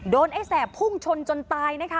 โดนไอ้แสบพุ่งชนจนตาย